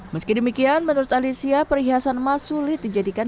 meski demikian menurut alicia perhiasan mas sulit dijadikan